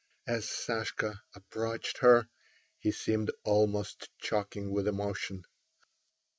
As Sashka approached her he seemed almost choking with emotion.